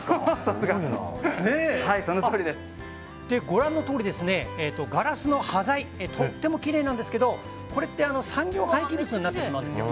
ご覧のとおりガラスの端材とってもきれいなのにこれって産業廃棄物になってしまうんですよ。